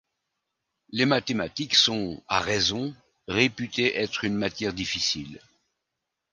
Les mathématiques sont à raison réputées être une matière difficile.